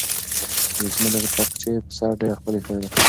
مجسمه د تاقچې په سر ډېره ښکلې ښکارېده.